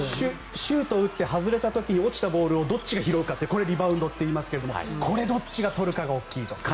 シュートを打って外れた時に落ちたボールをどっちが拾うかこれをリバウンドといいますがこれ、どっちが取るかが大きいと。